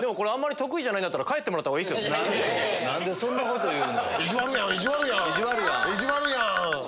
何でそんなこと言うの？